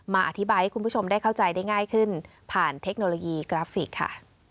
อธิบายให้คุณผู้ชมได้เข้าใจได้ง่ายขึ้นผ่านเทคโนโลยีกราฟิกค่ะ